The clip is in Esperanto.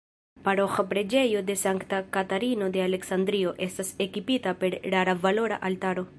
Paroĥa preĝejo de Sankta Katarino de Aleksandrio estas ekipita per rara valora altaro.